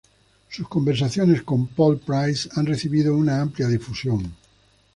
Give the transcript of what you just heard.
Sus conversaciones con Paul Price han recibido una amplia difusión.